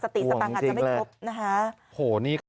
สติสตางค์อาจจะไม่ครบนะคะโหนี่